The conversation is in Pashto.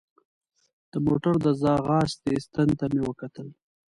د موټر د ځغاستې ستن ته مې وکتل.